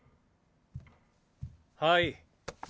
はい。